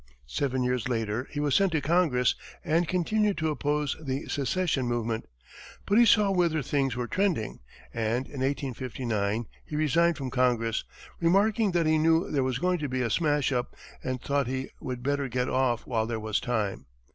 Seven years later, he was sent to Congress, and continued to oppose the secession movement; but he saw whither things were trending, and in 1859 he resigned from Congress, remarking that he knew there was going to be a smash up and thought he would better get off while there was time.